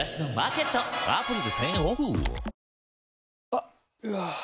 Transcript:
あっ、うわー。